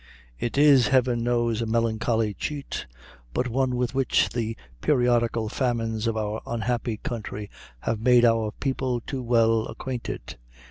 It is, heaven knows, a melancholy cheat, but one with which the periodical famines of our unhappy country have made our people too well acquainted.